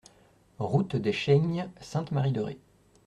Route des Chaignes, Sainte-Marie-de-Ré